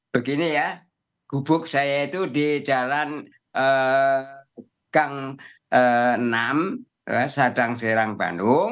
begini ya gubuk saya itu di jalan gang enam sadang serang bandung